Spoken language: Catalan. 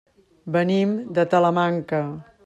Venim de Talamanca.